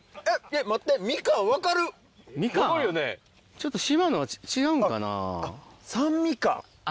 ちょっと島のは違うんかな。